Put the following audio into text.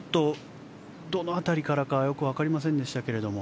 どの辺りからかよくわかりませんでしたが。